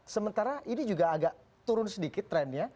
sementara ini juga agak turun sedikit trennya